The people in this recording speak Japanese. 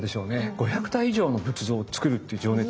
５００体以上の仏像をつくるっていう情熱は。